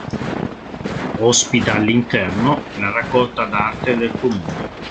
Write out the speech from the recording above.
Ospita all'interno la raccolta d'arte del comune.